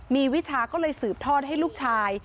มีวิชาก็เลยสืบทอดให้ลูกชาย